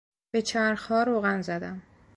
به چرخها روغن زدم.